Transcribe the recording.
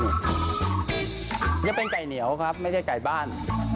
นี่เป็นไก่เหนียวครับไม่ใช่ไก่บ้าน